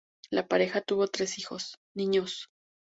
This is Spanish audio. La pareja tuvo tres niños.